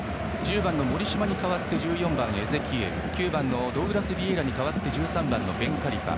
１０番の森島に代わって１４番、エゼキエウ９番のドウグラス・ヴィエイラに代わって１３番のベンカリファ。